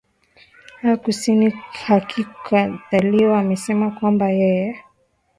aah kusini halikadhalika amesema kwamba yeye